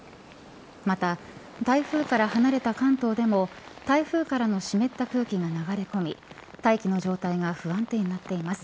また、台風から離れた関東でも台風からの湿った空気が流れ込み大気の状態が不安定になっています。